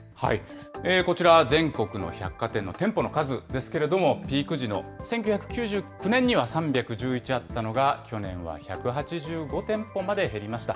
こちらは全国の百貨店の店舗の数ですけれども、ピーク時の１９９９年には、３１１あったのが、去年は１８５店舗まで減りました。